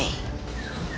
tidak ada yang menolongku